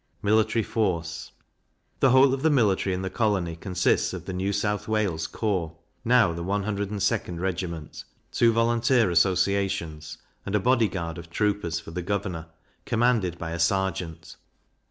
Military Force. The whole of the military in the colony consists of the New South Wales corps (now the 102d regiment), two volunteer associations, and a body guard of troopers for the governor, commanded by a serjeant.